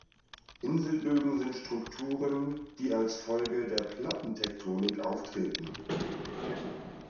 Inselbögen sind Strukturen, die als Folge der Plattentektonik auftreten.